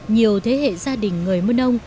nhiều thế hệ gia đình người mân âu